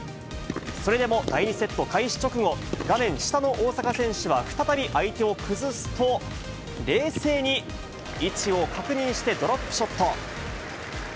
それでも第２セット開始直後、画面下の大坂選手は再び相手を崩すと、冷静に位置を確認してドロップショット。